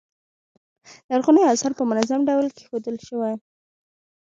لرغوني اثار په منظم ډول کیښودل شول.